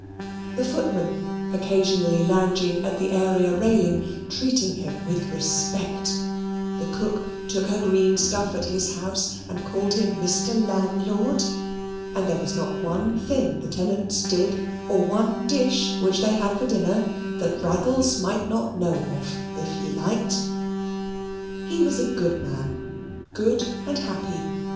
The footman occasionally lounging at the area railing, treated him with respect; the cook took her green stuff at his house and called him Mr. Landlord, and there was not one thing the tenants did, or one dish which they had for dinner, that Raggles might not know of, if he liked. He was a good man; good and happy.